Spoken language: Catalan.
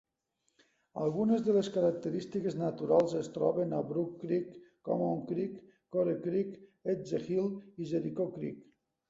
Algunes de les característiques naturals es troben a Brock Creek, Common Creek, Core Creek, Edge Hill i Jericho Creek.